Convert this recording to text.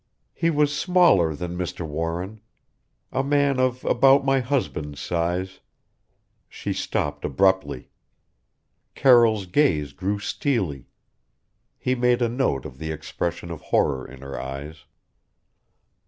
"He was smaller than Mr. Warren a man of about my husband's size " She stopped abruptly! Carroll's gaze grew steely he made a note of the expression of horror in her eyes.